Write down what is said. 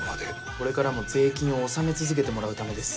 これからも税金を納め続けてもらうためです。